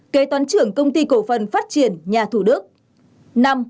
kế toán trưởng công ty cổ phần phát triển nhà thủ đức